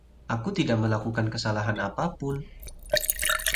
Aku tidak melakukan kesalahan apapun.